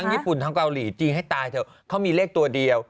ญี่ปุ่นทั้งเกาหลีจีนให้ตายเถอะเขามีเลขตัวเดียว